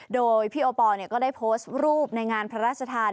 โดยพี่โอปอลก็ได้โพสต์รูปในงานพระราชทาน